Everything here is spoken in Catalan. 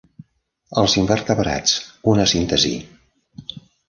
"Els invertebrats: una síntesi".